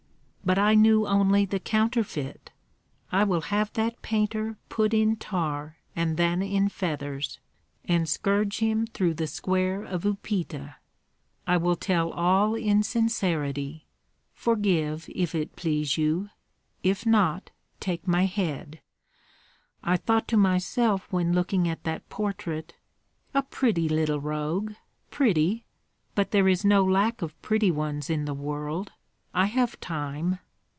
"But I knew only the counterfeit. I will have that painter put in tar and then in feathers, and scourge him through the square of Upita. I will tell all in sincerity, forgive, if it please you; if not, take my head. I thought to myself when looking at that portrait: 'A pretty little rogue, pretty; but there is no lack of pretty ones in the world. I have time.'